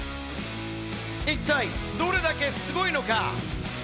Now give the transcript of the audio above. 一体どれだけすごいのか？